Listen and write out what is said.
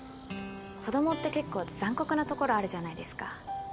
子どもって結構残酷なところあるじゃないですか。